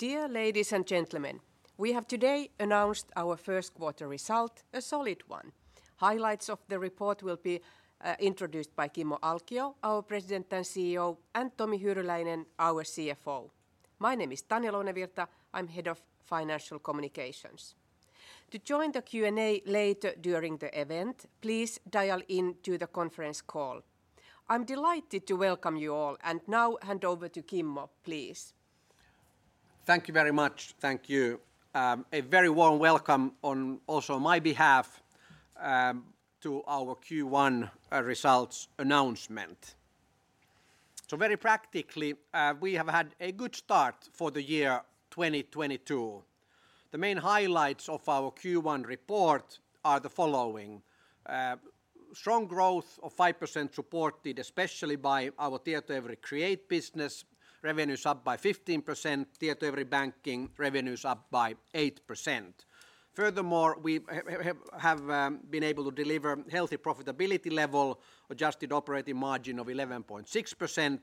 Dear ladies and gentlemen, we have today announced our first quarter result, a solid one. Highlights of the report will be introduced by Kimmo Alkio, our President and CEO, and Tomi Hyryläinen, our CFO. My name is Tanja Lounevirta. I'm Head of Financial Communications. To join the Q&A later during the event, please dial into the conference call. I'm delighted to welcome you all, and now hand over to Kimmo, please. Thank you very much. Thank you. A very warm welcome on also my behalf to our Q1 results announcement. Very practically, we have had a good start for the year 2022. The main highlights of our Q1 report are the following. Strong growth of 5% supported especially by our Tietoevry Create business, revenues up by 15%, Tietoevry Banking revenues up by 8%. Furthermore, we have been able to deliver healthy profitability level, adjusted operating margin of 11.6%.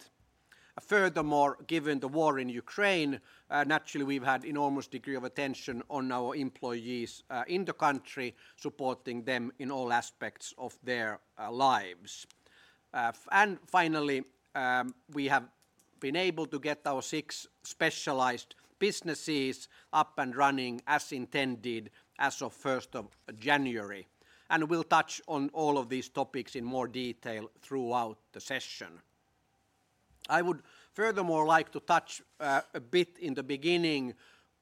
Furthermore, given the war in Ukraine, naturally we've had enormous degree of attention on our employees in the country, supporting them in all aspects of their lives. Finally, we have been able to get our six specialized businesses up and running as intended as of the first of January. We'll touch on all of these topics in more detail throughout the session. I would furthermore like to touch a bit in the beginning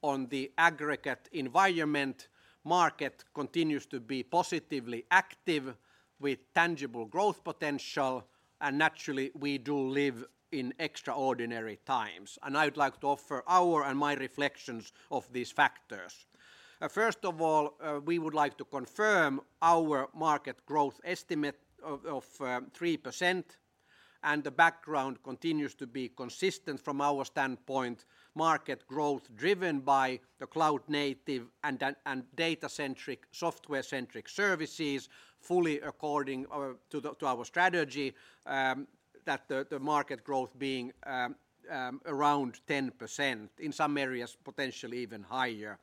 on the aggregate environment. Market continues to be positively active with tangible growth potential, and naturally, we do live in extraordinary times, and I would like to offer our and my reflections of these factors. First of all, we would like to confirm our market growth estimate of 3%, and the background continues to be consistent from our standpoint. Market growth driven by the cloud-native and data-centric, software-centric services, fully according to our strategy that the market growth being around 10%, in some areas potentially even higher.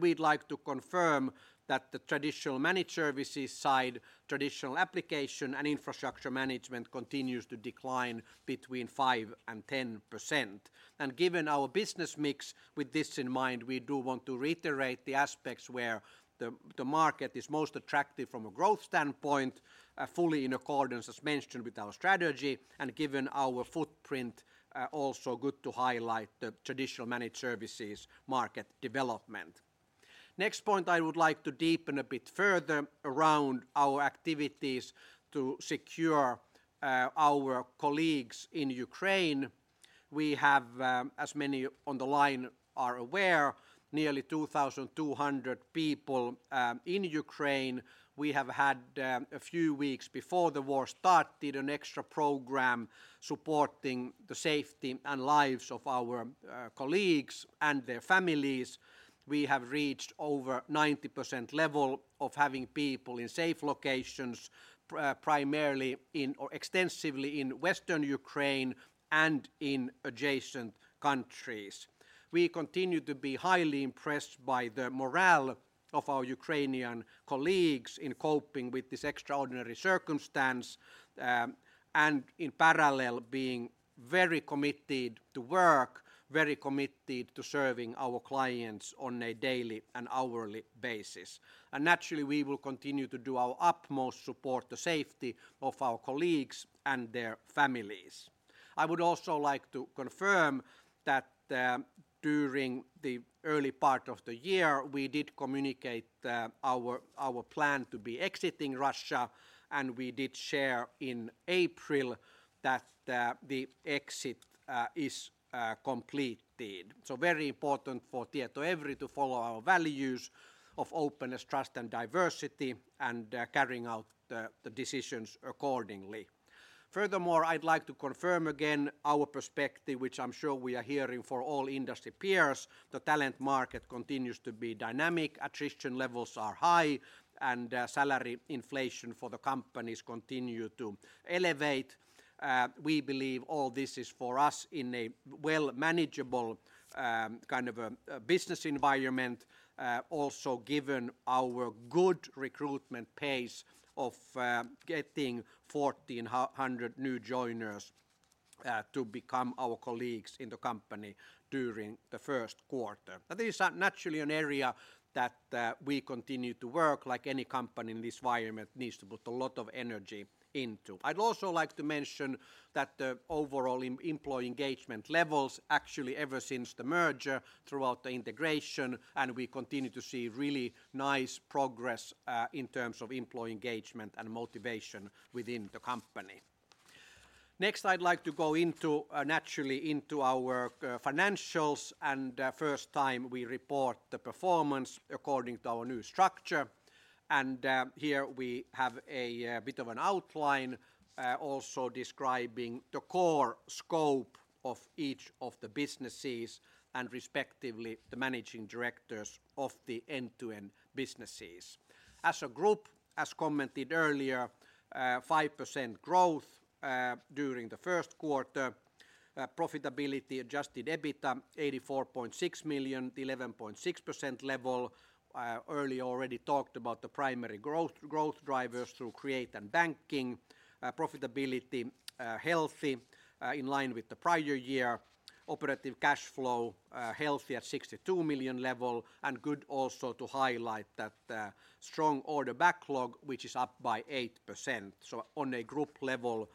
We'd like to confirm that the traditional managed services side, traditional application and infrastructure management continues to decline between 5% and 10%. Given our business mix, with this in mind, we do want to reiterate the aspects where the market is most attractive from a growth standpoint, fully in accordance, as mentioned, with our strategy, and given our footprint, also good to highlight the traditional managed services market development. Next point I would like to deepen a bit further around our activities to secure our colleagues in Ukraine. We have, as many on the line are aware, nearly 2,200 people in Ukraine. We have had a few weeks before the war started an extra program supporting the safety and lives of our colleagues and their families. We have reached over 90% level of having people in safe locations, primarily in or extensively in Western Ukraine and in adjacent countries. We continue to be highly impressed by the morale of our Ukrainian colleagues in coping with this extraordinary circumstance, and in parallel being very committed to work, very committed to serving our clients on a daily and hourly basis. Naturally, we will continue to do our utmost support the safety of our colleagues and their families. I would also like to confirm that, during the early part of the year, we did communicate our plan to be exiting Russia, and we did share in April that the exit is completed. Very important for Tietoevry to follow our values of openness, trust, and diversity and carrying out the decisions accordingly. Furthermore, I'd like to confirm again our perspective, which I'm sure we are hearing for all industry peers. The talent market continues to be dynamic, attrition levels are high, and salary inflation for the companies continue to elevate. We believe all this is for us in a well manageable kind of business environment, also given our good recruitment pace of getting 1,400 new joiners to become our colleagues in the company during the first quarter. Now, this is naturally an area that we continue to work, like any company in this environment needs to put a lot of energy into. I'd also like to mention that the overall employee engagement levels actually ever since the merger throughout the integration, and we continue to see really nice progress in terms of employee engagement and motivation within the company. Next, I'd like to go into naturally into our financials and first time we report the performance according to our new structure. Here we have a bit of an outline, also describing the core scope of each of the businesses and respectively the managing directors of the end-to-end businesses. As a group, as commented earlier, 5% growth during the first quarter. Profitability adjusted EBITDA 84.6 million, 11.6% level. Earlier already talked about the primary growth drivers through Create and Banking. Profitability healthy, in line with the prior year. Operating cash flow healthy at 62 million level, and good also to highlight that strong order backlog, which is up by 8%. On a group level,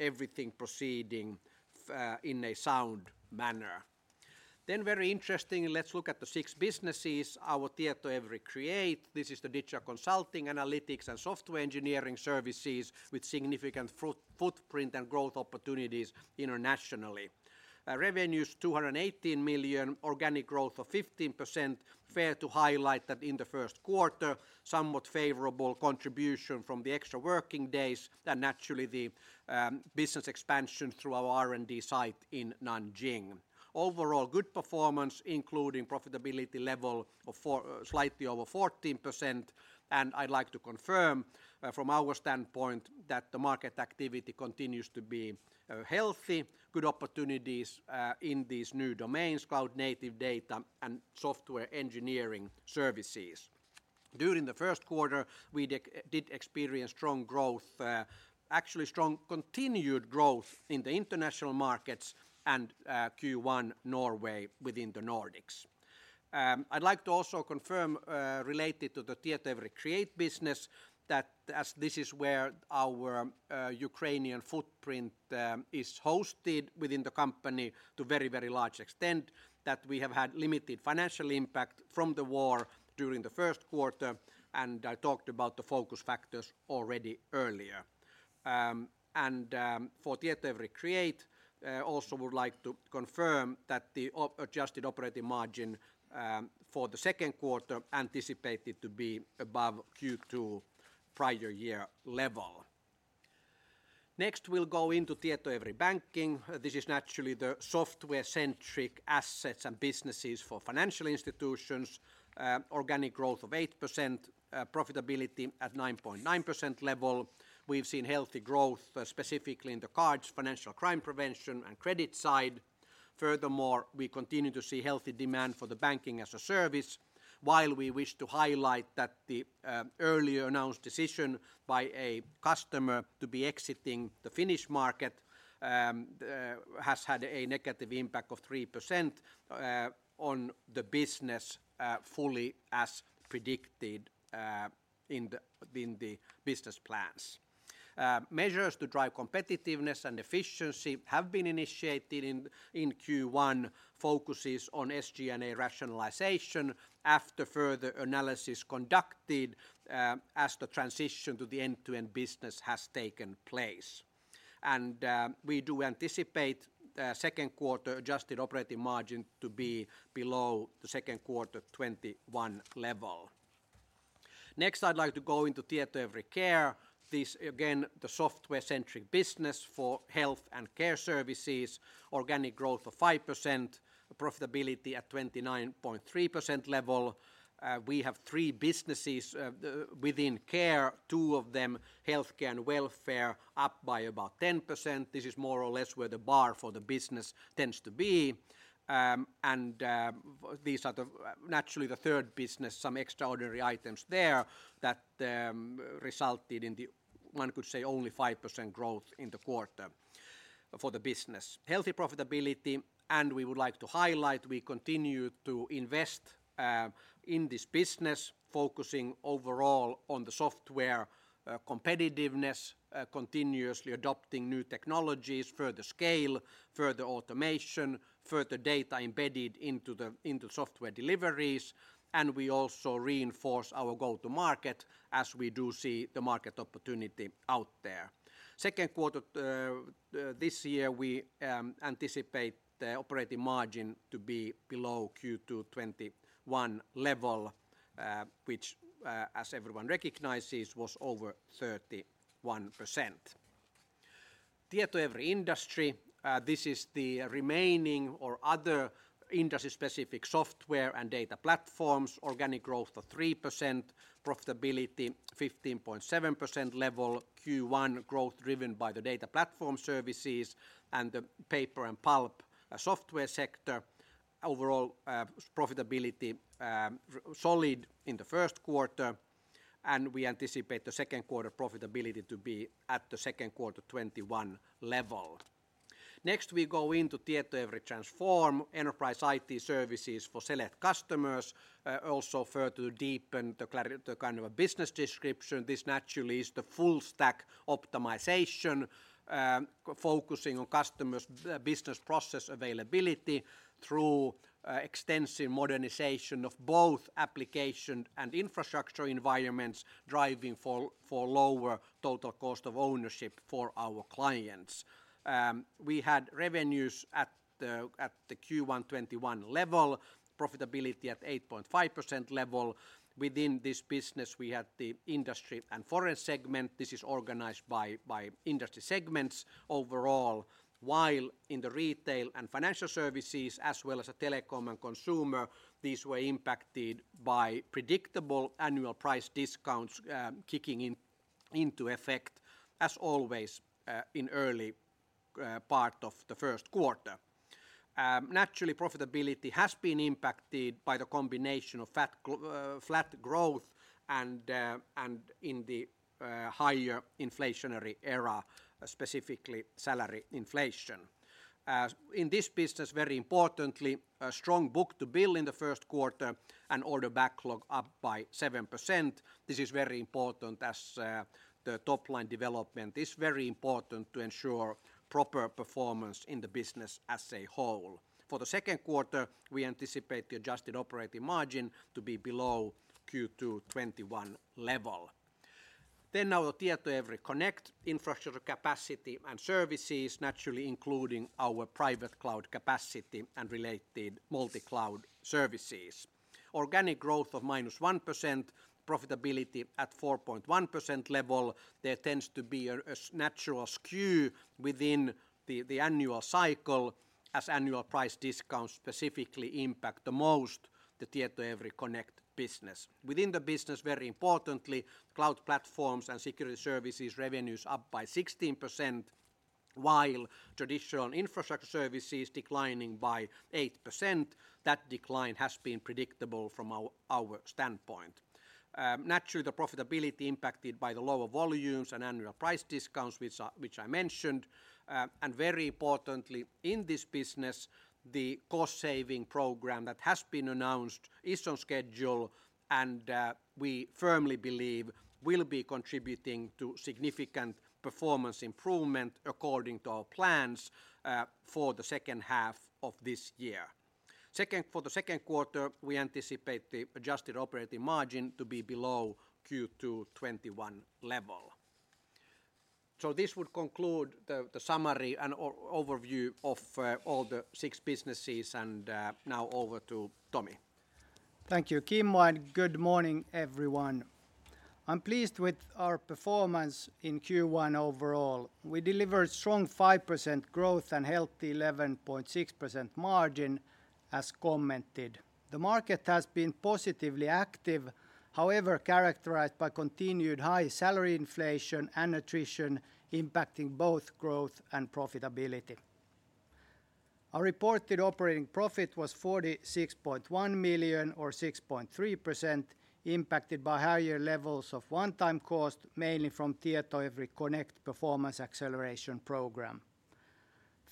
everything proceeding in a sound manner. Very interesting, let's look at the six businesses. Our Tietoevry Create, this is the digital consulting, analytics, and software engineering services with significant footprint and growth opportunities internationally. Revenues 218 million, organic growth of 15%. Fair to highlight that in the first quarter, somewhat favorable contribution from the extra working days and naturally the business expansion through our R&D site in Nanjing. Overall, good performance, including profitability level of slightly over 14%, and I'd like to confirm from our standpoint that the market activity continues to be healthy. Good opportunities in these new domains, cloud-native data and software engineering services. During the first quarter, we did experience strong growth, actually strong continued growth in the international markets and Q1 Norway within the Nordics. I'd like to also confirm, related to the Tietoevry Create business that as this is where our Ukrainian footprint is hosted within the company to very, very large extent, that we have had limited financial impact from the war during the first quarter, and I talked about the focus factors already earlier. For Tietoevry Create, also would like to confirm that the adjusted operating margin for the second quarter anticipated to be above Q2 prior year level. Next, we'll go into Tietoevry Banking. This is naturally the software-centric assets and businesses for financial institutions. Organic growth of 8%, profitability at 9.9% level. We've seen healthy growth, specifically in the cards, financial crime prevention, and credit side. Furthermore, we continue to see healthy demand for the banking-as-a-service, while we wish to highlight that the earlier announced decision by a customer to be exiting the Finnish market has had a negative impact of 3% on the business, fully as predicted in the business plans. Measures to drive competitiveness and efficiency have been initiated in Q1, focuses on SG&A rationalization after further analysis conducted as the transition to the end-to-end business has taken place. We do anticipate second quarter adjusted operating margin to be below the second quarter 2021 level. Next, I'd like to go into Tietoevry Care. This again, the software-centric business for health and care services. Organic growth of 5%, profitability at 29.3% level. We have three businesses within Care, two of them, Healthcare and Welfare, up by about 10%. This is more or less where the bar for the business tends to be. These are naturally the third business, some extraordinary items there that resulted in the, one could say, only 5% growth in the quarter for the business. Healthy profitability. We would like to highlight we continue to invest in this business, focusing overall on the software competitiveness, continuously adopting new technologies, further scale, further automation, further data embedded into software deliveries, and we also reinforce our go-to-market as we do see the market opportunity out there. Second quarter this year, we anticipate the operating margin to be below Q2 2021 level, which as everyone recognizes, was over 31%. Tietoevry Industry, this is the remaining or other industry-specific software and data platforms. Organic growth of 3%, profitability 15.7% level. Q1 growth driven by the data platform services and the paper and pulp software sector. Overall, profitability solid in the first quarter, and we anticipate the second quarter profitability to be at the second quarter 2021 level. Next, we go into Tietoevry Transform, enterprise IT services for select customers. Also further deepen the kind of a business description, this naturally is the full stack optimization, focusing on customers' business process availability through extensive modernization of both application and infrastructure environments, driving for lower total cost of ownership for our clients. We had revenues at the Q1 2021 level, profitability at 8.5% level. Within this business, we had the industry and forest segment. This is organized by industry segments overall. While in the retail and financial services, as well as telecom and consumer, these were impacted by predictable annual price discounts kicking into effect as always in early part of the first quarter. Naturally, profitability has been impacted by the combination of flat growth and the higher inflationary era, specifically salary inflation. In this business, very importantly, a strong book-to-bill in the first quarter and order backlog up by 7%. This is very important as the top-line development is very important to ensure proper performance in the business as a whole. For the second quarter, we anticipate the adjusted operating margin to be below Q2 2021 level. Now the Tietoevry Connect infrastructure capacity and services, naturally including our private cloud capacity and related multi-cloud services. Organic growth of -1%, profitability at 4.1% level. There tends to be a natural skew within the annual cycle as annual price discounts specifically impact the most the Tietoevry Connect business. Within the business, very importantly, cloud platforms and security services revenues up by 16%, while traditional infrastructure services declining by 8%. That decline has been predictable from our standpoint. Naturally, the profitability impacted by the lower volumes and annual price discounts, which I mentioned. Very importantly, in this business, the cost-saving program that has been announced is on schedule, and we firmly believe will be contributing to significant performance improvement according to our plans for the second half of this year. Second, for the second quarter, we anticipate the adjusted operating margin to be below Q2 2021 level. This would conclude the summary and overview of all the six businesses. Now over to Tomi. Thank you, Kimmo, and good morning, everyone. I'm pleased with our performance in Q1 overall. We delivered strong 5% growth and healthy 11.6% margin, as commented. The market has been positively active, however, characterized by continued high salary inflation and attrition impacting both growth and profitability. Our reported operating profit was 46.1 million or 6.3% impacted by higher levels of one-time cost, mainly from Tietoevry Connect performance acceleration program.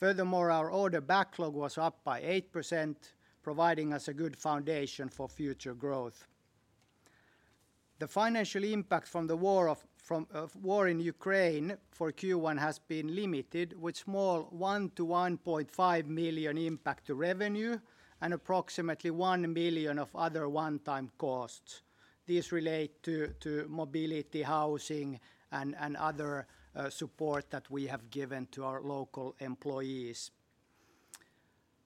Furthermore, our order backlog was up by 8%, providing us a good foundation for future growth. The financial impact from the war in Ukraine for Q1 has been limited, with small 1 million-1.5 million impact to revenue and approximately 1 million of other one-time costs. These relate to mobility, housing, and other support that we have given to our local employees.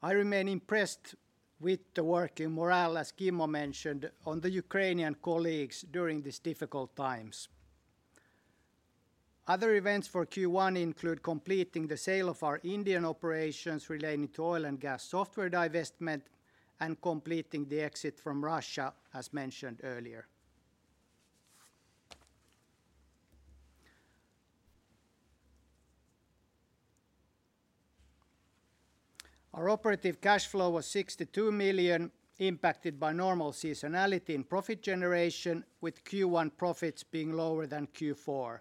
I remain impressed with the work and morale, as Kimmo mentioned, on the Ukrainian colleagues during these difficult times. Other events for Q1 include completing the sale of our Indian operations relating to oil and gas software divestment and completing the exit from Russia, as mentioned earlier. Our operating cash flow was 62 million, impacted by normal seasonality in profit generation, with Q1 profits being lower than Q4.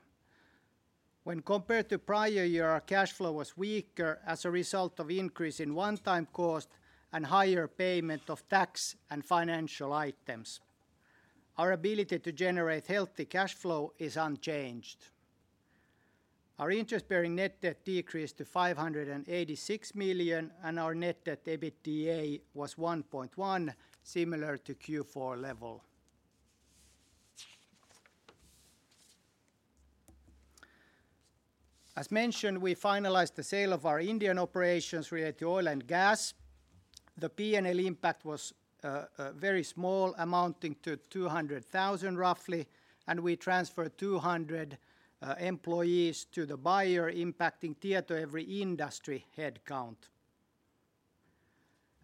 When compared to prior year, our cash flow was weaker as a result of increase in one-time cost and higher payment of tax and financial items. Our ability to generate healthy cash flow is unchanged. Our interest-bearing net debt decreased to 586 million, and our net debt EBITDA was 1.1, similar to Q4 level. As mentioned, we finalized the sale of our Indian operations related to oil and gas. The P&L impact was very small, amounting to 200,000 roughly, and we transferred 200 employees to the buyer, impacting Tietoevry Industry headcount.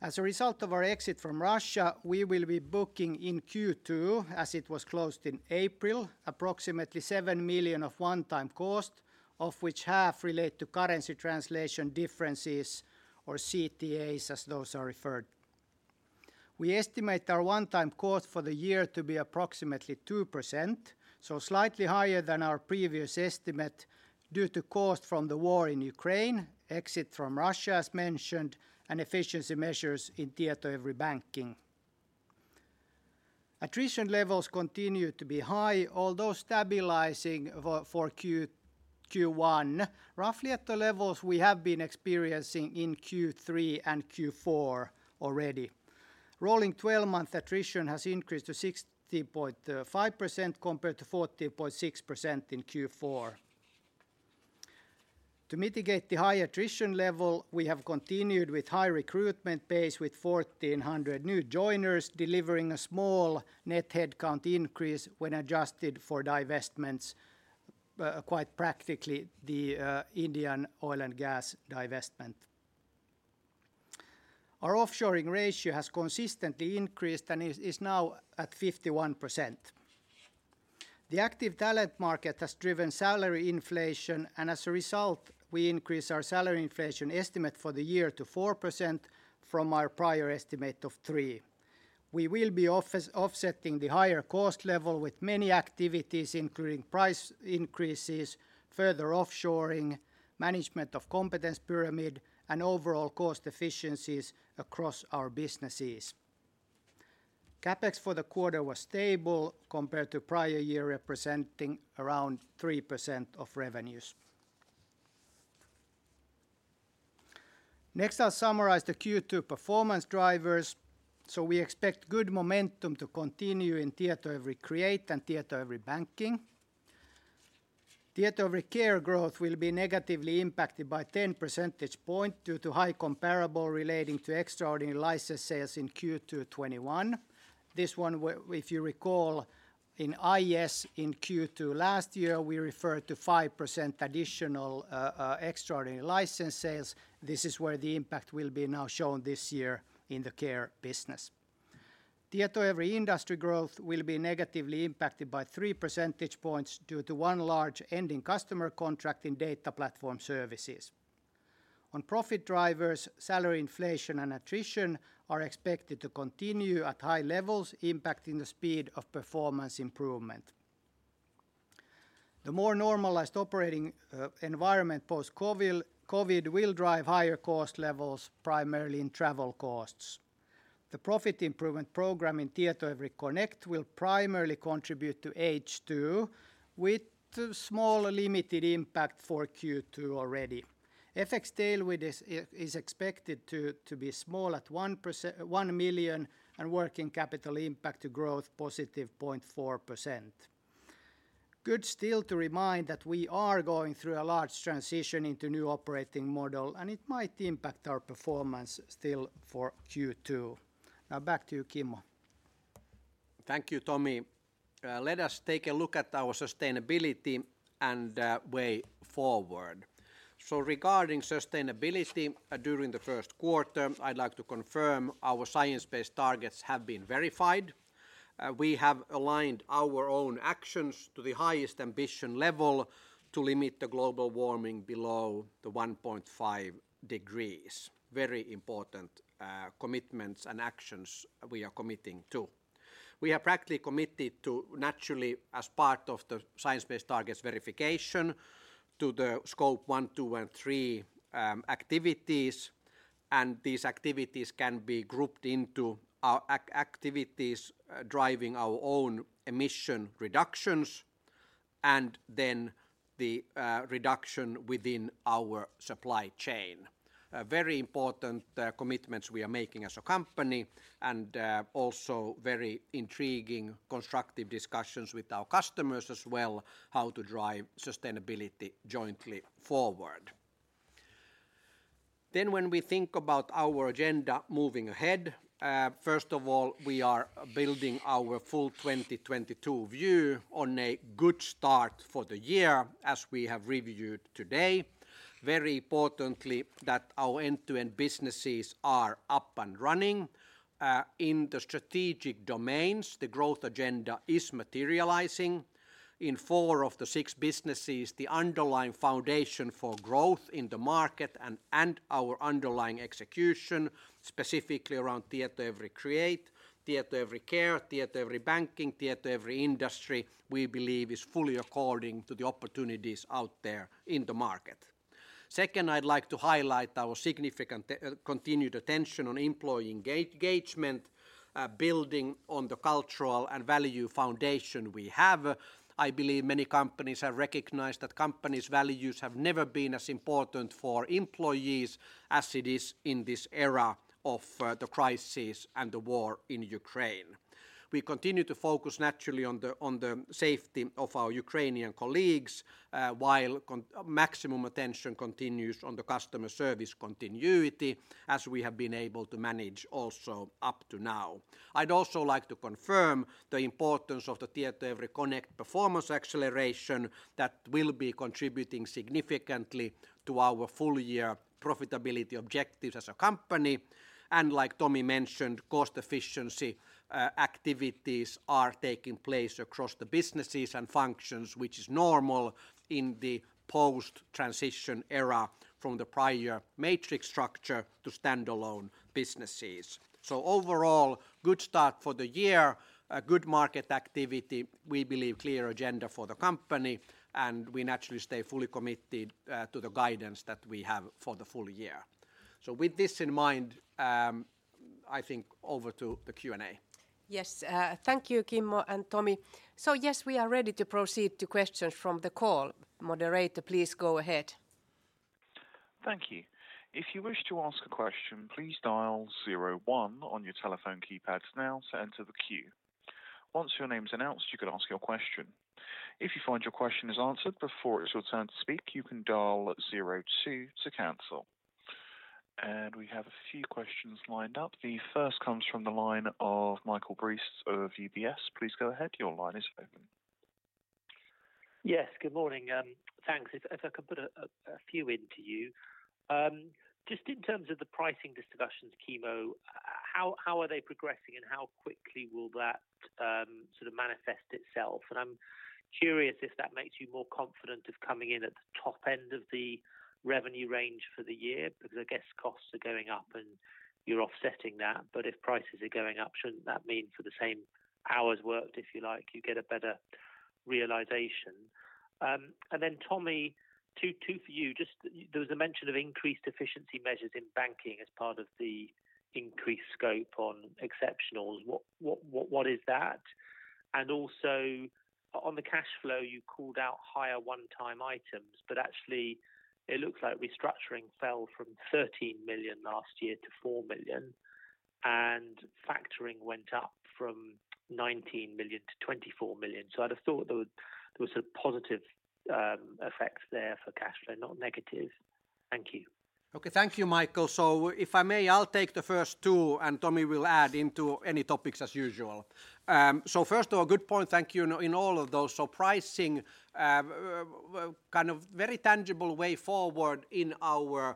As a result of our exit from Russia, we will be booking in Q2, as it was closed in April, approximately 7 million of one-time cost, of which half relate to currency translation differences or CTAs as those are referred. We estimate our one-time cost for the year to be approximately 2%, so slightly higher than our previous estimate due to cost from the war in Ukraine, exit from Russia as mentioned, and efficiency measures in Tietoevry Banking. Attrition levels continue to be high, although stabilizing for Q1, roughly at the levels we have been experiencing in Q3 and Q4 already. Rolling twelve-month attrition has increased to 60.5% compared to 40.6% in Q4. To mitigate the high attrition level, we have continued with high recruitment base with 1,400 new joiners, delivering a small net headcount increase when adjusted for divestments, quite practically the Indian oil and gas divestment. Our offshoring ratio has consistently increased and is now at 51%. The active talent market has driven salary inflation, and as a result, we increase our salary inflation estimate for the year to 4% from our prior estimate of three. We will be offsetting the higher cost level with many activities, including price increases, further offshoring, management of competence pyramid, and overall cost efficiencies across our businesses. CapEx for the quarter was stable compared to prior year, representing around 3% of revenues. Next, I'll summarize the Q2 performance drivers. We expect good momentum to continue in Tietoevry Create and Tietoevry Banking. Tietoevry Care growth will be negatively impacted by 10 percentage points due to high comparable relating to extraordinary license sales in Q2 2021. This one, where if you recall in Q2 last year, we referred to 5% additional extraordinary license sales. This is where the impact will be now shown this year in the care business. Tietoevry Industry growth will be negatively impacted by 3 percentage points due to one large ending customer contract in data platform services. On profit drivers, salary inflation and attrition are expected to continue at high levels, impacting the speed of performance improvement. The more normalized operating environment post-COVID will drive higher cost levels primarily in travel costs. The profit improvement program in Tietoevry Connect will primarily contribute to H2 with small limited impact for Q2 already. FX tailwind is expected to be small at 1%, 1 million and working capital impact to growth positive 0.4%. Good still to remind that we are going through a large transition into new operating model, and it might impact our performance still for Q2. Now back to you, Kimmo. Thank you, Tomi. Let us take a look at our sustainability and, way forward. Regarding sustainability, during the first quarter, I'd like to confirm our science-based targets have been verified. We have aligned our own actions to the highest ambition level to limit the global warming below the 1.5 degrees. Very important, commitments and actions we are committing to. We have practically committed to naturally, as part of the science-based targets verification, to the Scope 1, 2, and 3, activities, and these activities can be grouped into our activities driving our own emission reductions and then the, reduction within our supply chain. Very important, commitments we are making as a company and, also very intriguing, constructive discussions with our customers as well, how to drive sustainability jointly forward. When we think about our agenda moving ahead, first of all, we are building our full 2022 view on a good start for the year as we have reviewed today. Very importantly, that our end-to-end businesses are up and running. In the strategic domains, the growth agenda is materializing. In four of the six businesses, the underlying foundation for growth in the market and our underlying execution, specifically around Tietoevry Create, Tietoevry Care, Tietoevry Banking, Tietoevry Industry, we believe is fully according to the opportunities out there in the market. Second, I'd like to highlight our significant continued attention on employee engagement, building on the cultural and value foundation we have. I believe many companies have recognized that companies' values have never been as important for employees as it is in this era of the crisis and the war in Ukraine. We continue to focus naturally on the safety of our Ukrainian colleagues, while maximum attention continues on the customer service continuity as we have been able to manage also up to now. I'd also like to confirm the importance of the Tietoevry Connect performance acceleration that will be contributing significantly to our full-year profitability objectives as a company. Like Tomi mentioned, cost efficiency activities are taking place across the businesses and functions, which is normal in the post-transition era from the prior matrix structure to standalone businesses. Overall, good start for the year, a good market activity, we believe clear agenda for the company, and we naturally stay fully committed to the guidance that we have for the full-year. With this in mind, I think over to the Q&A. Yes. Thank you, Kimmo and Tomi. Yes, we are ready to proceed to questions from the call. Moderator, please go ahead. Thank you. If you wish to ask a question, please dial zero one on your telephone keypads now to enter the queue. Once your name's announced, you can ask your question. If you find your question is answered before it's your turn to speak, you can dial zero two to cancel. We have a few questions lined up. The first comes from the line of Michael Briest over UBS. Please go ahead. Your line is open. Yes. Good morning. Thanks. If I could put a few to you. Just in terms of the pricing discussions, Kimmo, how are they progressing and how quickly will that sort of manifest itself? I'm curious if that makes you more confident of coming in at the top end of the revenue range for the year because I guess costs are going up and you're offsetting that. If prices are going up, shouldn't that mean for the same hours worked, if you like, you get a better realization? Then Tommi, two for you. Just there was a mention of increased efficiency measures in banking as part of the increased scope on exceptionals. What is that? Also on the cash flow, you called out higher one-time items, but actually it looks like restructuring fell from 13 million last year to 4 million, and factoring went up from 19 million to 24 million. I'd have thought there was a positive effect there for cash flow, not negative. Thank you. Okay. Thank you, Michael. If I may, I'll take the first two, and Tomi will add into any topics as usual. First of all, good point. Thank you. In all of those. Pricing, kind of very tangible way forward in our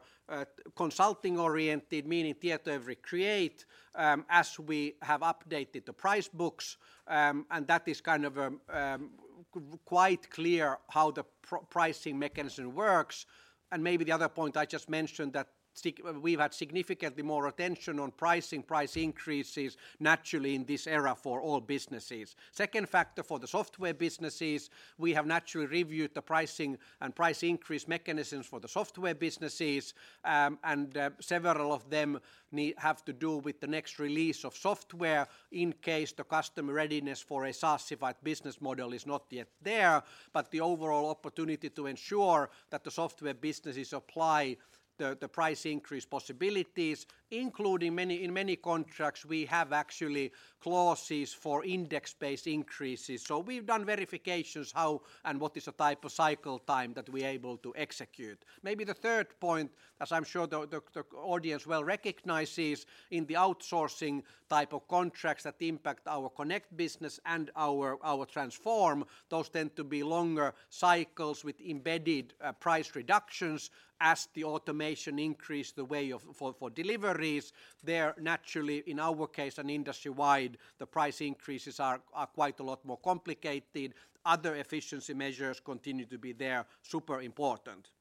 consulting-oriented, meaning Tietoevry Create, as we have updated the price books, and that is kind of quite clear how the pricing mechanism works. Maybe the other point I just mentioned that we've had significantly more attention on pricing, price increases naturally in this era for all businesses. Second factor for the software businesses, we have naturally reviewed the pricing and price increase mechanisms for the software businesses. Several of them need... have to do with the next release of software in case the customer readiness for a SaaSified business model is not yet there. The overall opportunity to ensure that the software businesses apply the price increase possibilities, including many in many contracts we have actually clauses for index-based increases. We've done verifications how and what is the type of cycle time that we're able to execute. Maybe the third point, as I'm sure the audience well recognizes in the outsourcing type of contracts that impact our Connect business and our Transform, those tend to be longer cycles with embedded price reductions as the automation increase the way of for deliveries. There naturally, in our case and industry-wide, the price increases are quite a lot more complicated. Other efficiency measures continue to be there, super important.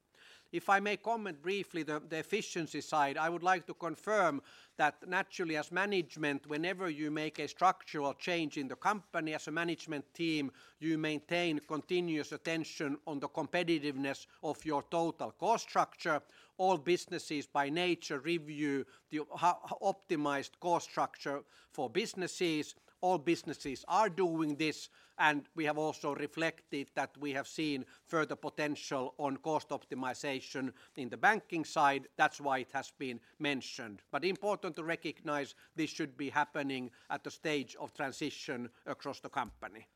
If I may comment briefly, the efficiency side, I would like to confirm that naturally as management, whenever you make a structural change in the company as a management team, you maintain continuous attention on the competitiveness of your total cost structure. All businesses by nature review the how optimized cost structure for businesses. All businesses are doing this, and we have also reflected that we have seen further potential on cost optimization in the banking side. That's why it has been mentioned. Important to recognize this should be happening at the stage of transition across the company.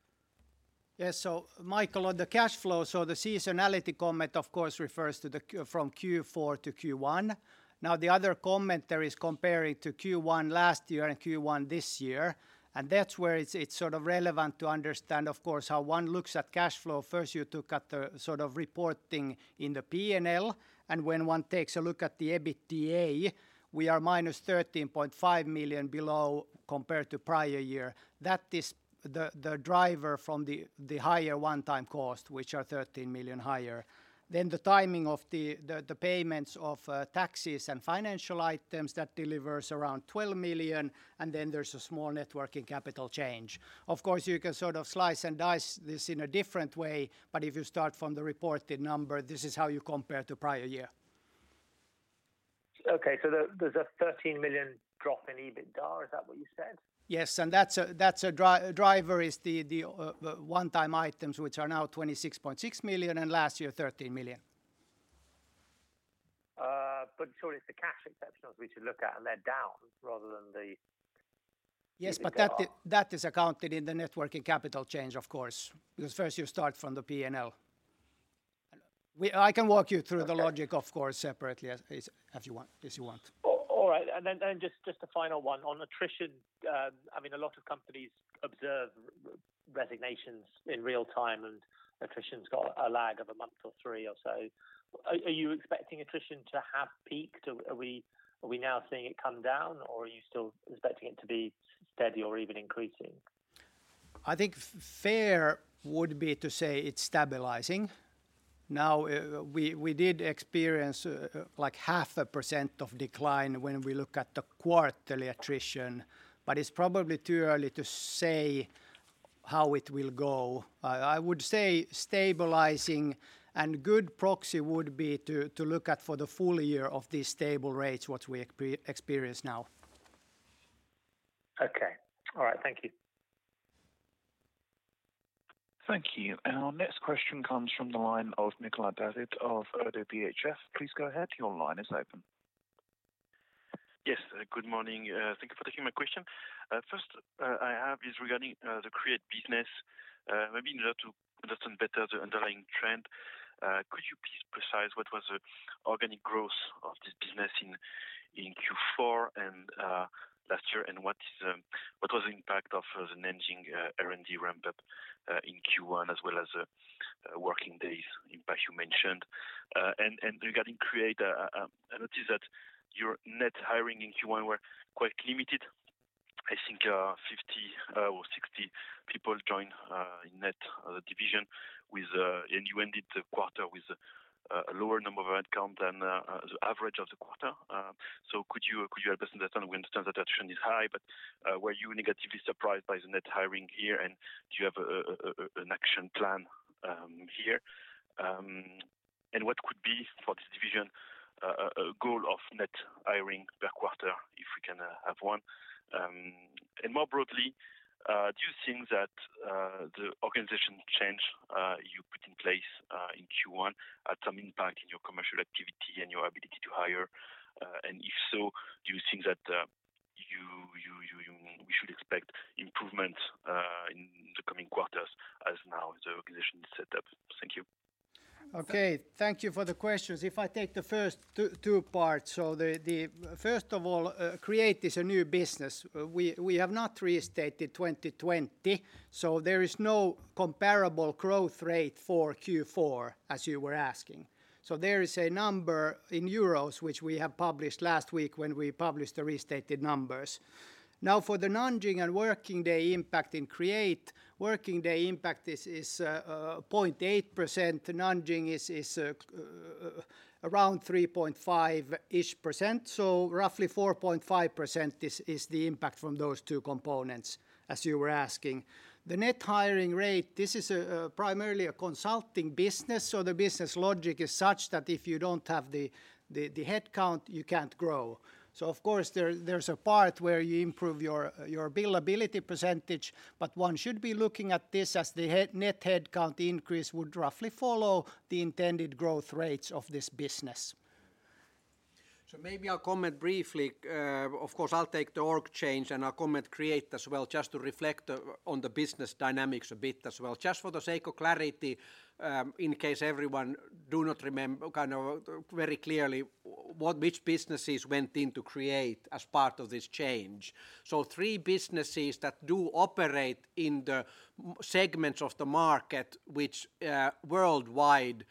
Yes. Michael, on the cash flow, the seasonality comment of course refers to the Q4 to Q1. Now the other comment there is comparing to Q1 last year and Q1 this year, and that's where it's sort of relevant to understand, of course, how one looks at cash flow. First you look at the sort of reporting in the P&L, and when one takes a look at the EBITDA, we are -13.5 million below compared to prior year. That is the driver from the higher one-time cost, which are 13 million higher. Then the timing of the payments of taxes and financial items, that delivers around 12 million, and then there's a small working capital change. Of course, you can sort of slice and dice this in a different way, but if you start from the reported number, this is how you compare to prior year. Okay. There, there's a EUR 13 million drop in EBITDA, is that what you said? Yes. That's the driver, the one-time items, which are now 26.6 million, and last year, 13 million. Sorry, it's the cash exceptionals we should look at and they're down rather than the Yes, that is accounted in the net working capital change, of course. Because first you start from the P&L. I can walk you through the logic. Okay. Of course, separately as you want. If you want. All right. Then just a final one on attrition. I mean, a lot of companies observe resignations in real time, and attrition's got a lag of a month or three or so. Are you expecting attrition to have peaked? Are we now seeing it come down or are you still expecting it to be steady or even increasing? I think fair would be to say it's stabilizing. Now, we did experience like half a percent of decline when we look at the quarterly attrition, but it's probably too early to say how it will go. I would say stabilizing and good proxy would be to look at for the full-year of these stable rates, what we experience now. Okay. All right. Thank you. Thank you. Our next question comes from the line of Nicolas David of ODDO BHF. Please go ahead. Your line is open. Yes. Good morning. Thank you for taking my question. First, I have is regarding the Create business. Maybe in order to understand better the underlying trend, could you please precise what was the organic growth of this business in Q4 and last year and what was the impact of the Nanjing R&D ramp-up in Q1 as well as working days impact you mentioned. Regarding Create, I noticed that your net hiring in Q1 were quite limited. I think 50 or 60 people joined in net division with. You ended the quarter with a lower number of headcount than the average of the quarter. Could you help us understand? We understand that attrition is high, but were you negatively surprised by the net hiring here, and do you have an action plan here? What could be for this division goal of net hiring per quarter, if we can have one? More broadly, do you think that the organization change you put in place in Q1 had some impact in your commercial activity and your ability to hire? If so, do you think that we should expect improvements in the coming quarters as now the organization is set up? Thank you. Okay. Thank you for the questions. If I take the first two parts. First of all, Create is a new business. We have not restated 2020, so there is no comparable growth rate for Q4 as you were asking. There is a number in euros which we have published last week when we published the restated numbers. Now, for the Nanjing and working day impact in Create, working day impact is 0.8%. Nanjing is around 3.5%-ish. Roughly 4.5% is the impact from those two components, as you were asking. The net hiring rate, this is primarily a consulting business, so the business logic is such that if you don't have the headcount, you can't grow. Of course, there's a part where you improve your billability percentage, but one should be looking at this as the net headcount increase would roughly follow the intended growth rates of this business. Maybe I'll comment briefly. Of course, I'll take the org change, and I'll comment on Tietoevry Create as well, just to reflect on the business dynamics a bit as well. Just for the sake of clarity, in case everyone do not remember very clearly which businesses went into Tietoevry Create as part of this change. Three businesses that do operate in the market segments of the market, which worldwide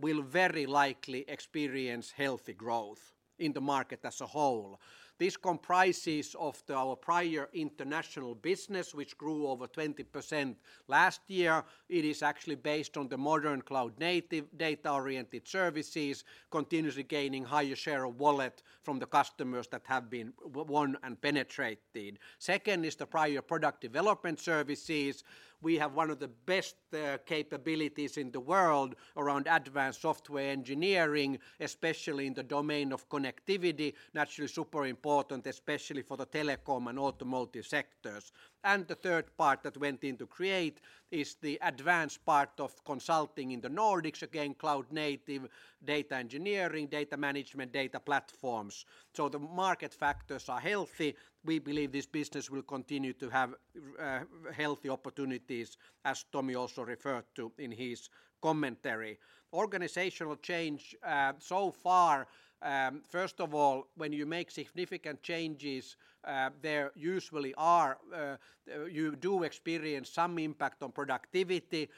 will very likely experience healthy growth in the market as a whole. This comprises of our prior international business, which grew over 20% last year. It is actually based on the modern cloud-native data-oriented services, continuously gaining higher share of wallet from the customers that have been won and penetrated. Second is the prior product development services. We have one of the best capabilities in the world around advanced software engineering, especially in the domain of connectivity. Naturally super important, especially for the telecom and automotive sectors. The third part that went into Create is the advanced part of consulting in the Nordics. Again, cloud-native, data engineering, data management, data platforms. The market factors are healthy. We believe this business will continue to have healthy opportunities, as Tomi also referred to in his commentary. Organizational change so far, first of all, when you make significant changes, there usually are, you do experience some impact on productivity.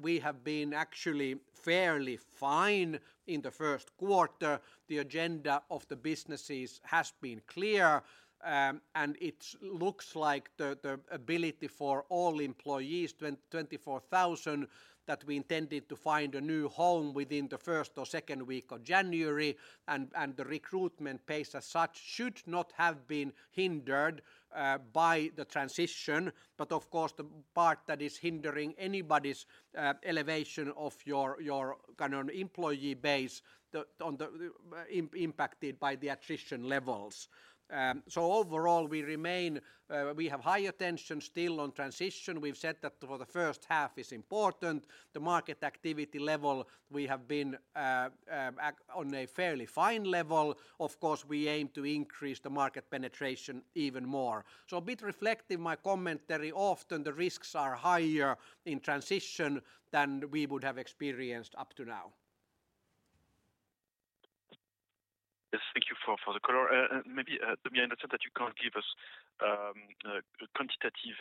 We have been actually fairly fine in the first quarter. The agenda of the businesses has been clear, and it looks like the ability for all employees, 24,000, that we intended to find a new home within the first or second week of January. The recruitment pace as such should not have been hindered by the transition. Of course, the part that is hindering anybody's elevation of your kind of employee base, impacted by the attrition levels. Overall, we remain, we have high attention still on transition. We've said that for the first half is important. The market activity level, we have been on a fairly fine level. Of course, we aim to increase the market penetration even more. A bit reflective, my commentary. Often the risks are higher in transition than we would have experienced up to now. Yes. Thank you for the color. Maybe Tomi, I understand that you can't give us a quantitative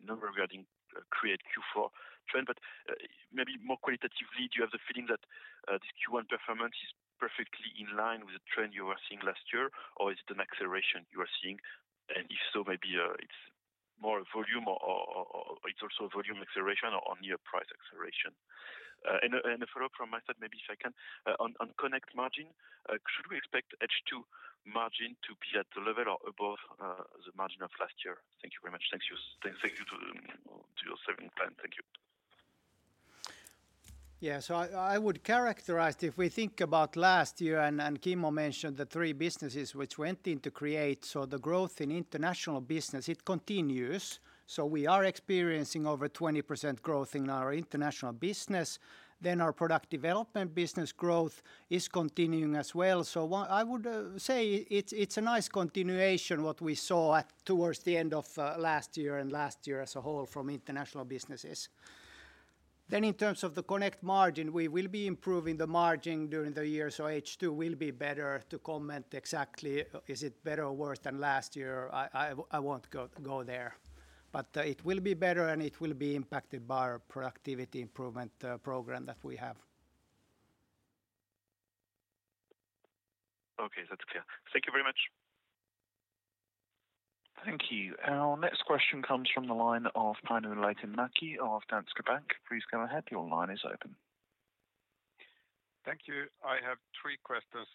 number regarding Create Q4 trend, but maybe more qualitatively, do you have the feeling that this Q1 performance is perfectly in line with the trend you were seeing last year, or is it an acceleration you are seeing? If so, maybe it's more volume or it's also volume acceleration or near price acceleration. A follow-up from my side, maybe if I can on Connect margin, should we expect H2 margin to be at the level or above the margin of last year? Thank you very much. Thank you to your serving plan. Thank you. Yeah. I would characterize it, if we think about last year, and Kimmo mentioned the three businesses which went into Create. The growth in international business, it continues. We are experiencing over 20% growth in our international business. Our product development business growth is continuing as well. What I would say it's a nice continuation what we saw towards the end of last year and last year as a whole from international businesses. In terms of the Connect margin, we will be improving the margin during the year, so H2 will be better. To comment exactly, is it better or worse than last year? I won't go there. It will be better and it will be impacted by our productivity improvement program that we have. Okay. That's clear. Thank you very much. Thank you. Our next question comes from the line of Panu Lehtinen of Danske Bank. Please go ahead. Your line is open. Thank you. I have three questions.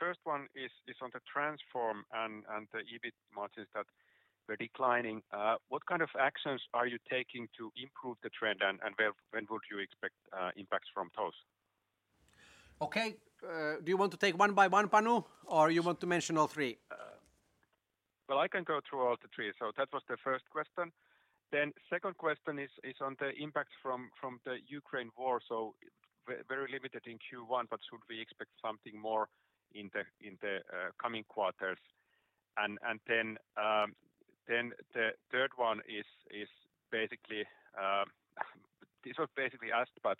First one is on the Transform and the EBIT margins that were declining. What kind of actions are you taking to improve the trend and when would you expect impacts from those? Okay. Do you want to take one by one, Panu, or you want to mention all three? Well, I can go through all the three. That was the first question. Second question is on the impact from the Ukraine war, so very limited in Q1, but should we expect something more in the coming quarters? The third one is basically this was basically asked, but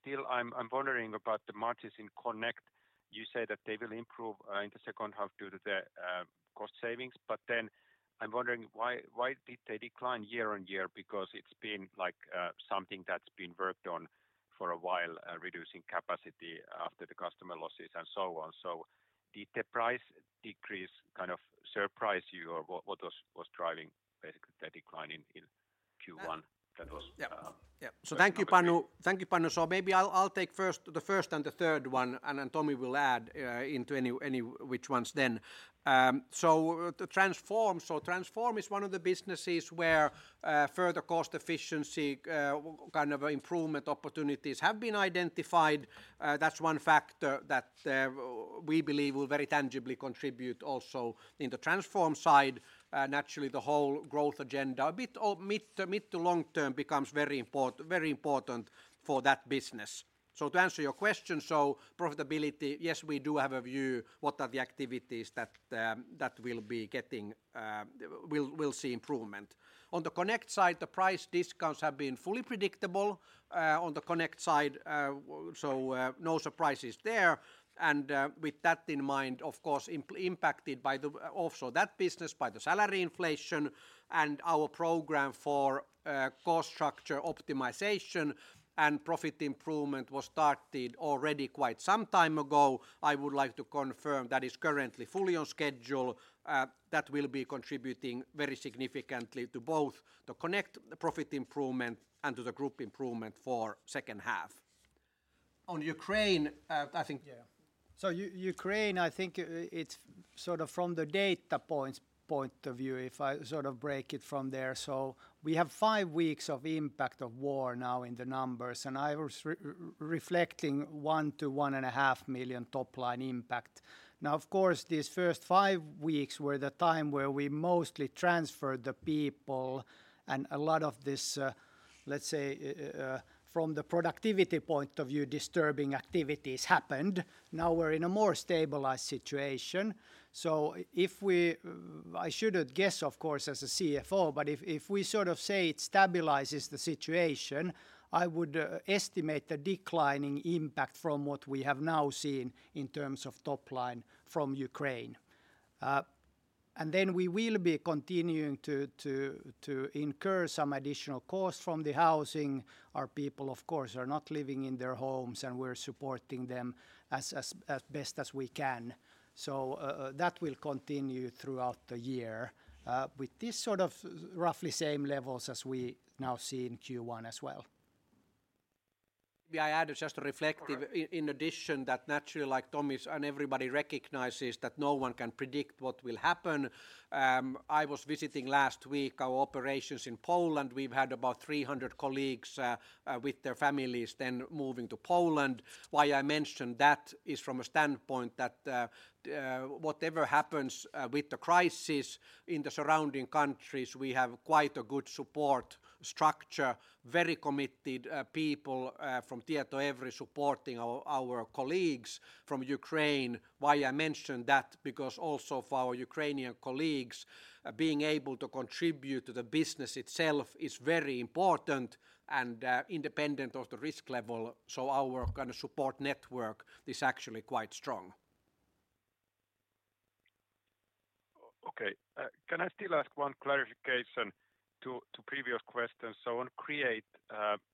still I'm wondering about the margins in Connect. You said that they will improve in the second half due to the cost savings, but I'm wondering why did they decline year-on-year because it's been like something that's been worked on for a while, reducing capacity after the customer losses and so on. Did the price decrease kind of surprise you, or what was driving basically the decline in Q1? Yeah. Thank you, Panu. Maybe I'll take the first and the third one, and then Tomi will add into any which ones then. Transform is one of the businesses where further cost efficiency kind of improvement opportunities have been identified. That's one factor that we believe will very tangibly contribute also in the Transform side. Naturally, the whole growth agenda, a bit of mid to long-term becomes very important for that business. To answer your question, profitability, yes, we do have a view what are the activities that will see improvement. On the Connect side, the price discounts have been fully predictable on the Connect side, so no surprises there. With that in mind, of course, impacted by also that business by the salary inflation and our program for cost structure optimization and profit improvement was started already quite some time ago. I would like to confirm that is currently fully on schedule. That will be contributing very significantly to both the Connect profit improvement and to the group improvement for second half. On Ukraine, I think. Yeah. So Ukraine, I think it's sort of from the data point of view, if I sort of break it from there. So we have five weeks of impact of war now in the numbers, and I was reflecting 1 million-1.5 million top-line impact. Now, of course, these first five weeks were the time where we mostly transferred the people and a lot of this, let's say, from the productivity point of view, disturbing activities happened. Now we're in a more stabilized situation. I shouldn't guess, of course, as a CFO, but if we sort of say it stabilizes the situation, I would estimate a declining impact from what we have now seen in terms of top line from Ukraine. Then we will be continuing to incur some additional costs from the housing. Our people, of course, are not living in their homes, and we're supporting them as best as we can. That will continue throughout the year, with this sort of roughly same levels as we now see in Q1 as well. May I add just a reflective- Sure. In addition that naturally like Tomi's and everybody recognizes that no one can predict what will happen. I was visiting last week our operations in Poland. We've had about 300 colleagues with their families then moving to Poland. Why I mention that is from a standpoint that whatever happens with the crisis in the surrounding countries, we have quite a good support structure, very committed people from Tietoevry supporting our colleagues from Ukraine. Why I mention that because also for our Ukrainian colleagues being able to contribute to the business itself is very important and independent of the risk level. Our kind of support network is actually quite strong. Okay. Can I still ask one clarification to previous questions? On Create,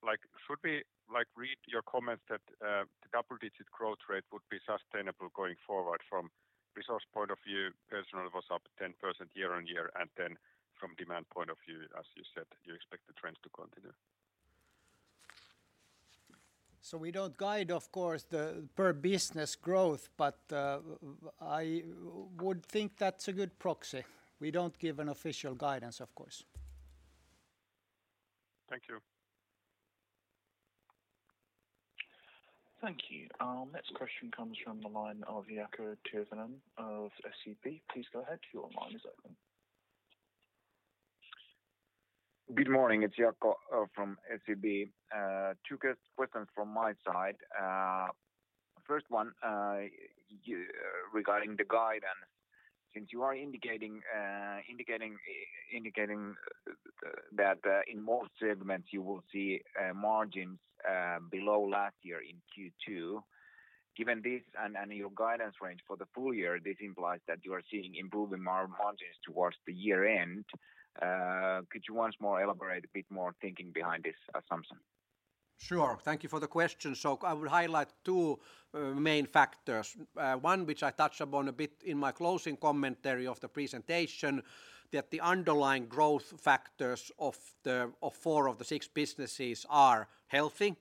like, should we, like, read your comments that the double-digit growth rate would be sustainable going forward from resource point of view, personnel was up 10% year-over-year, and then from demand point of view, as you said, you expect the trends to continue? We don't guide, of course, the per business growth, but I would think that's a good proxy. We don't give an official guidance, of course. Thank you. Thank you. Our next question comes from the line of Jaakko Tyrväinen of SEB. Please go ahead. Your line is open. Good morning. It's Jaakko from SEB. Two quick questions from my side. First one, regarding the guidance Since you are indicating that in most segments you will see margins below last year in Q2. Given this and your guidance range for the full-year, this implies that you are seeing improving margins towards the year end. Could you once more elaborate a bit more thinking behind this assumption? I would highlight two main factors. One which I touched upon a bit in my closing commentary of the presentation, that the underlying growth factors of four of the six businesses are healthy.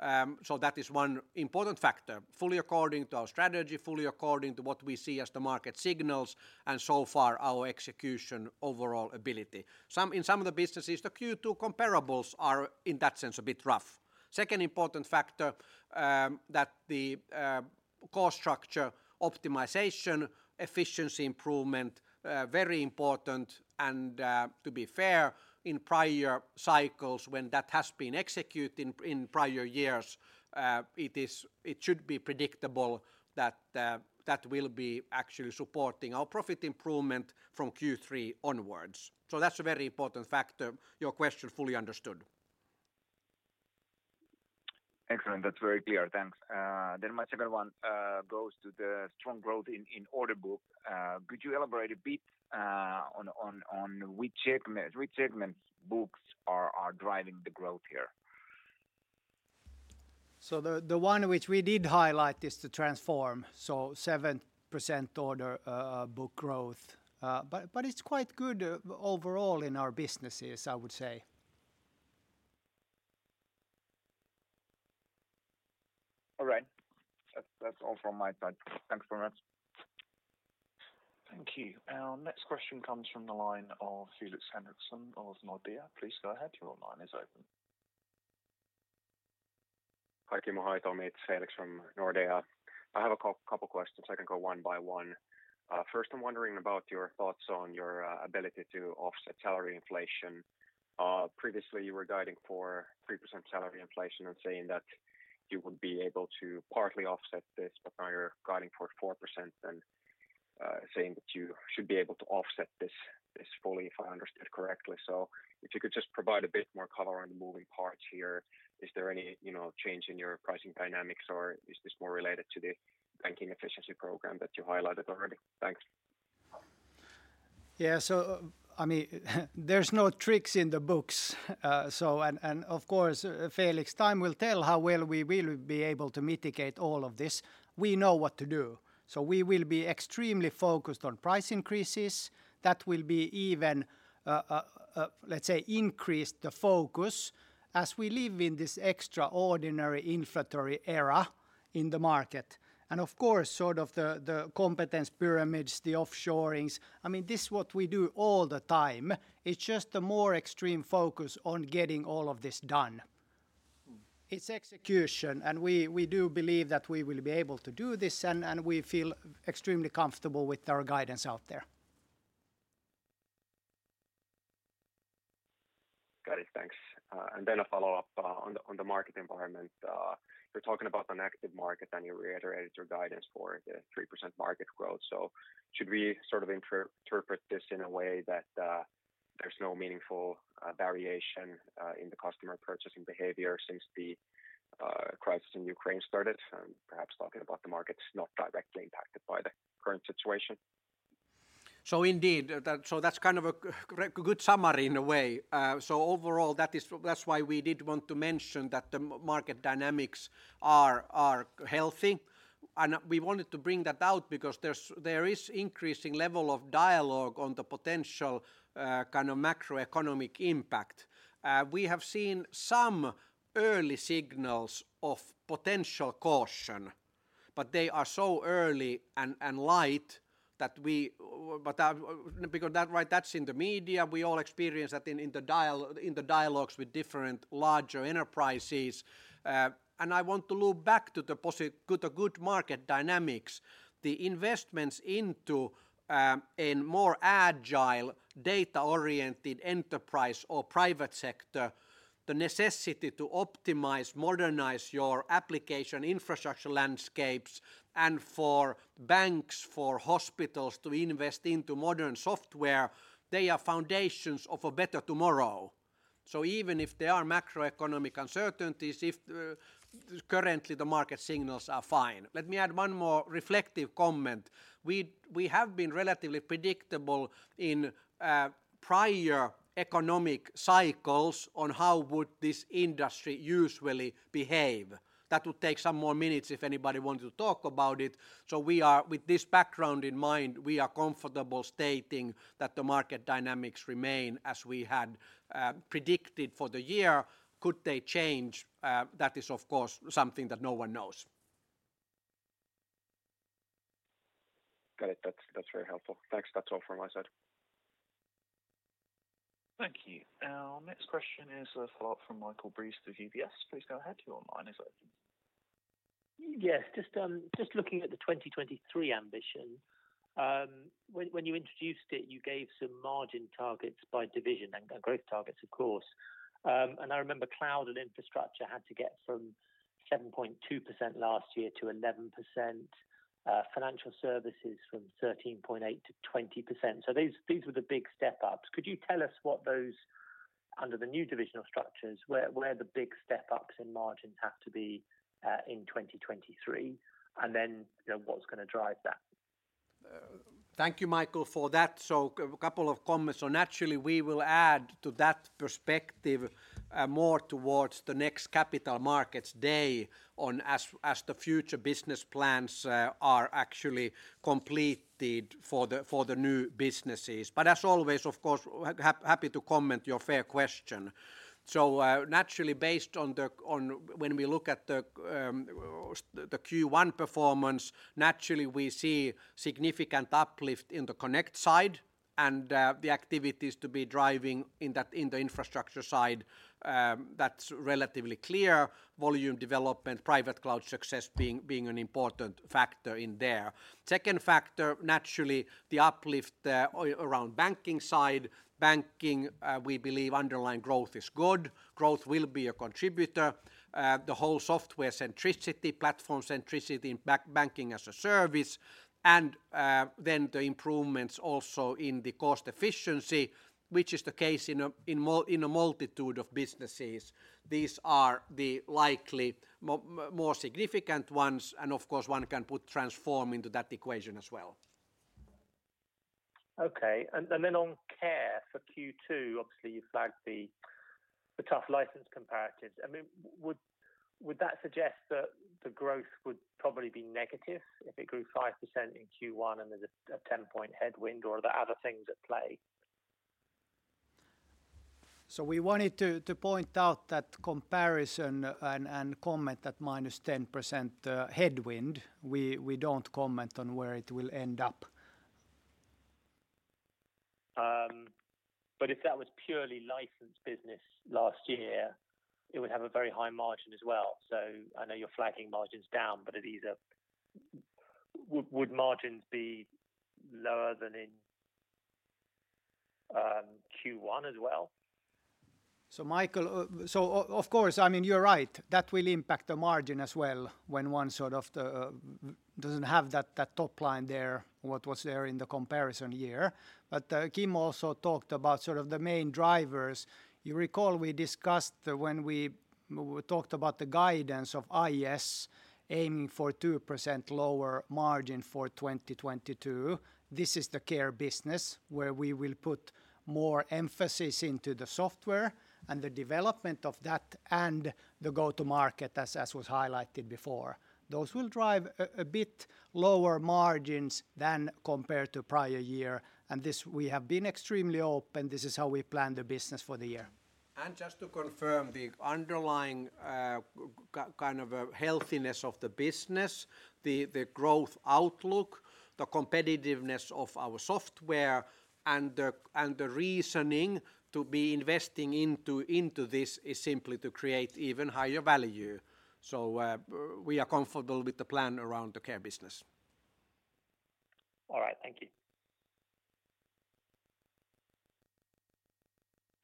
That is one important factor. Fully according to our strategy, fully according to what we see as the market signals, and so far our execution overall ability. In some of the businesses, the Q2 comparables are, in that sense, a bit rough. Second important factor, that the cost structure optimization, efficiency improvement, very important and, to be fair, in prior cycles when that has been executed in prior years, it should be predictable that that will be actually supporting our profit improvement from Q3 onwards. That's a very important factor. Your question fully understood. Excellent. That's very clear. Thanks. My second one goes to the strong growth in order book. Could you elaborate a bit on which segment, which segments books are driving the growth here? The one which we did highlight is the Transform. 7% order book growth. It's quite good overall in our businesses, I would say. All right. That's all from my side. Thanks very much. Thank you. Our next question comes from the line of Felix Henriksson of Nordea. Please go ahead, your line is open. Hi, Kimmo. Hi, Tomi. It's Felix from Nordea. I have a couple questions. I can go one by one. First I'm wondering about your thoughts on your ability to offset salary inflation. Previously you were guiding for 3% salary inflation and saying that you would be able to partly offset this, but now you're guiding for 4% and saying that you should be able to offset this fully, if I understood correctly. If you could just provide a bit more color on the moving parts here. Is there any, you know, change in your pricing dynamics or is this more related to the banking efficiency program that you highlighted already? Thanks. Yeah. I mean there's no tricks in the books. Of course, Felix, time will tell how well we will be able to mitigate all of this. We know what to do. We will be extremely focused on price increases. That will be even, let's say, increased the focus as we live in this extraordinary inflationary era in the market. Of course, sort of the competence pyramids, the offshoring, I mean, this is what we do all the time. It's just a more extreme focus on getting all of this done. It's execution, and we do believe that we will be able to do this, and we feel extremely comfortable with our guidance out there. Got it. Thanks. A follow-up on the market environment. You're talking about an active market and you reiterated your guidance for the 3% market growth. Should we sort of interpret this in a way that there's no meaningful variation in the customer purchasing behavior since the crisis in Ukraine started? Perhaps talking about the markets not directly impacted by the current situation. Indeed, that's kind of a good summary in a way. Overall, that's why we did want to mention that the market dynamics are healthy. We wanted to bring that out because there is increasing level of dialogue on the potential kind of macroeconomic impact. We have seen some early signals of potential caution, but they are so early and light. Because that, right, that's in the media. We all experience that in the dialogues with different larger enterprises. I want to loop back to the good market dynamics. The investments into a more agile data-oriented enterprise or private sector, the necessity to optimize, modernize your application infrastructure landscapes, and for banks, for hospitals to invest into modern software, they are foundations of a better tomorrow. Even if there are macroeconomic uncertainties, if currently the market signals are fine. Let me add one more reflective comment. We have been relatively predictable in prior economic cycles on how would this industry usually behave. That would take some more minutes if anybody wanted to talk about it. With this background in mind, we are comfortable stating that the market dynamics remain as we had predicted for the year. Could they change? That is of course something that no one knows. Got it. That's very helpful. Thanks. That's all from my side. Thank you. Our next question is, follow-up from Michael Briest through UBS. Please go ahead, your line is open. Yes. Just looking at the 2023 ambition, when you introduced it, you gave some margin targets by division and growth targets of course. I remember cloud and infrastructure had to get from 7.2% last year to 11%. Financial services from 13.8% to 20%. These were the big step-ups. Could you tell us what those under the new divisional structures, where the big step-ups in margins have to be, in 2023? Then, you know, what's gonna drive that? Thank you, Michael, for that. Couple of comments. Naturally we will add to that perspective more towards the next capital markets day on as the future business plans are actually completed for the new businesses. But as always, of course, happy to comment your fair question. Naturally, based on when we look at the Q1 performance, naturally we see significant uplift in the connect side and the activities to be driving in that, in the infrastructure side. That's relatively clear. Volume development, private cloud success being an important factor in there. Second factor, naturally the uplift around banking side. Banking, we believe underlying growth is good. Growth will be a contributor. The whole software centricity, platform centricity in banking as a service, and then the improvements also in the cost efficiency, which is the case in a multitude of businesses. These are the likely more significant ones, and of course, one can put Transform into that equation as well. Okay. Then on care for Q2, obviously you flagged the tough license comparatives. I mean, would that suggest that the growth would probably be negative if it grew 5% in Q1 and there's a 10-point headwind or are there other things at play? We wanted to point out that comparison and comment that -10% headwind. We don't comment on where it will end up. If that was purely licensed business last year, it would have a very high margin as well. I know you're flagging margins down, but would margins be lower than in Q1 as well? Michael, of course. I mean, you're right. That will impact the margin as well when one sort of doesn't have that top line there, what was there in the comparison year. Kimmo also talked about sort of the main drivers. You recall we discussed when we talked about the guidance of IS aiming for 2% lower margin for 2022. This is the care business where we will put more emphasis into the software and the development of that and the go-to-market as was highlighted before. Those will drive a bit lower margins than compared to prior year. This we have been extremely open. This is how we plan the business for the year. Just to confirm the underlying kind of a healthiness of the business, the growth outlook, the competitiveness of our software and the reasoning to be investing into this is simply to create even higher value. We are comfortable with the plan around the care business. All right. Thank you.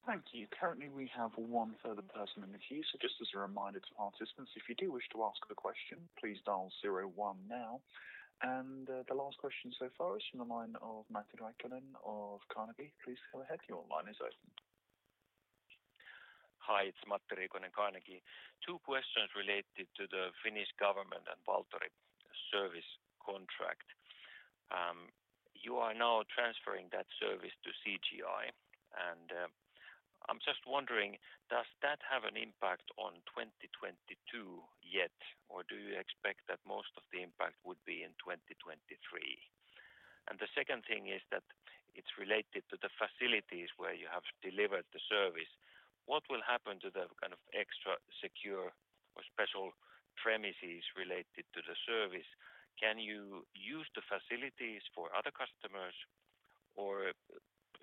Thank you. Currently, we have one further person in the queue. Just as a reminder to participants, if you do wish to ask a question, please dial zero one now. The last question so far is from the line of Matti Riikonen of Carnegie. Please go ahead. Your line is open. Hi, it's Matti Riikonen, Carnegie. Two questions related to the Finnish government and Valtori service contract. You are now transferring that service to CGI, and I'm just wondering, does that have an impact on 2022 yet, or do you expect that most of the impact would be in 2023? The second thing is that it's related to the facilities where you have delivered the service. What will happen to the kind of extra secure or special premises related to the service? Can you use the facilities for other customers, or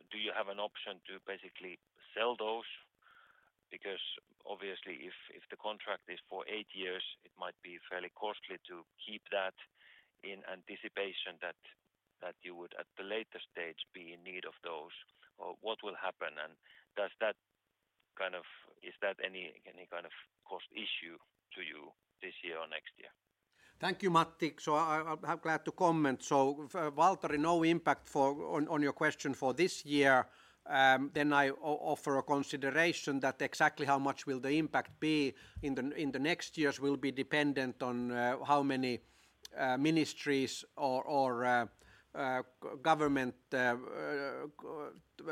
do you have an option to basically sell those? Because obviously if the contract is for 8 years, it might be fairly costly to keep that in anticipation that you would at the later stage be in need of those, or what will happen. Is that any kind of cost issue to you this year or next year? Thank you, Matti. I'm glad to comment. For Valtori, no impact on your question for this year. Then I offer a consideration that exactly how much will the impact be in the next years will be dependent on how many ministries or government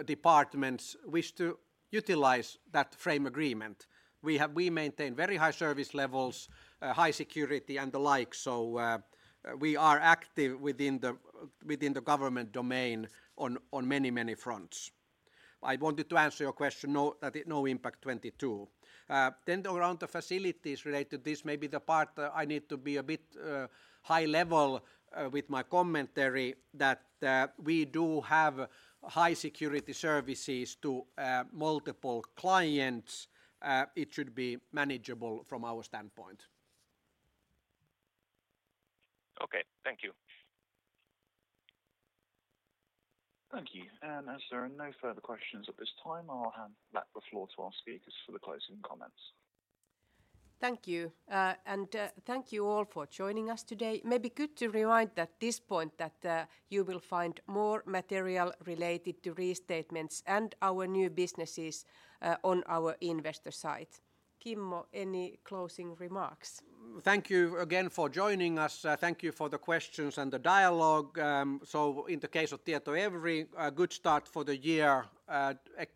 departments wish to utilize that frame agreement. We maintain very high service levels, high security and the like. We are active within the government domain on many fronts. I wanted to answer your question that no impact 2022. Then around the facilities related, this may be the part I need to be a bit high level with my commentary that we do have high security services to multiple clients. It should be manageable from our standpoint. Okay. Thank you. Thank you. As there are no further questions at this time, I'll hand back the floor to our speakers for the closing comments. Thank you. Thank you all for joining us today. Maybe good to remind at this point that you will find more material related to restatements and our new businesses on our investor site. Kimmo, any closing remarks? Thank you again for joining us. Thank you for the questions and the dialogue. In the case of Tietoevry, a good start for the year.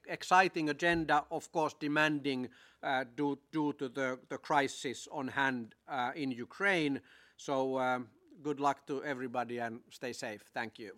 Exciting agenda, of course, demanding due to the crisis on hand in Ukraine. Good luck to everybody and stay safe. Thank you.